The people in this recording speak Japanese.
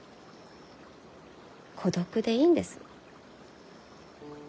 孤独でいいんです。